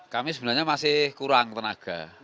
kami sebenarnya masih kurang tenaga